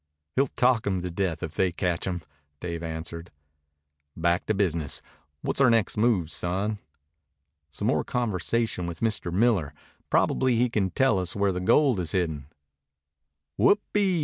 "He'll talk them to death if they catch him," Dave answered. "Back to business. What's our next move, son?" "Some more conversation with Miller. Probably he can tell us where the gold is hidden." "Whoopee!